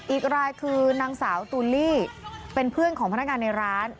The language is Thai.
อีกรายคือนางสาวตูลลี่เป็นเพื่อนของพนักงานในร้าน